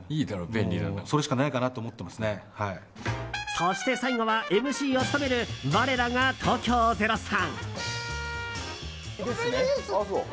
そして最後は、ＭＣを務める我らが東京０３。